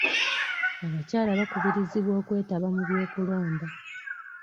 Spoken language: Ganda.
Abakyala bakubirizibwa okwetaba mu by'okulonda.